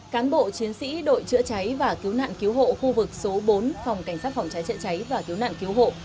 cán bộ chiến sĩ đội chữa cháy và cứu nạn cứu hộ khu vực số bốn phòng cảnh sát phòng cháy chữa cháy và cứu nạn cứu hộ